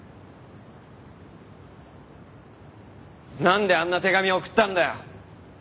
なんであんな手紙送ったんだよ？